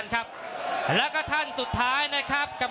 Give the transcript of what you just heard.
รอคะแนนจากอาจารย์สมาร์ทจันทร์คล้อยสักครู่หนึ่งนะครับ